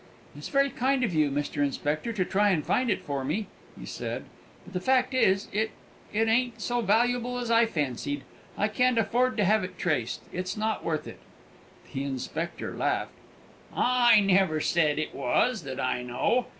"It's very kind of you, Mr. Inspector, to try and find it for me," he said; "but the fact is, it it ain't so valuable as I fancied. I can't afford to have it traced it's not worth it!" The inspector laughed. "I never said it was, that I know.